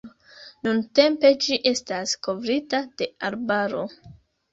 Nuntempe ĝi estas kovrita de arbaro.